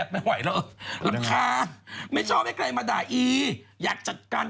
ไม่ไหวแล้วรำคาญไม่ชอบให้ใครมาด่าอีอยากจัดการ